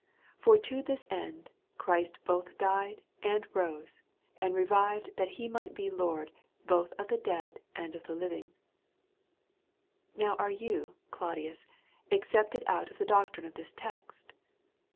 T 1t74: A SERIOUS CALL TO A For to this end Christ both died, and rose, andrevivsc, that he might be Lord both of the dead and the living. Now are you, Claudius^ excepted out of the doctii'ie of this text?